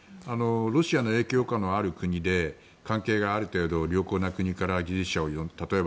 ロシアの影響下のある国で関係がある程度良好な国から技術者を。